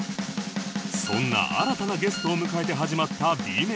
そんな新たなゲストを迎えて始まった Ｂ 面